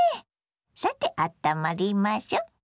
さてあったまりましょ。